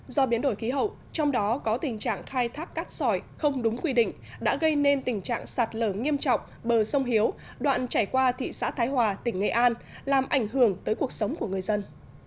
do biến đổi khí hậu trong đó có tình trạng khai thác cát sỏi không đúng quy định đã gây nên tình trạng sạt lở nghiêm trọng bờ sông hiếu đoạn chảy qua thị xã thái hòa tỉnh nghệ an làm ảnh hưởng tới cuộc sống của người dân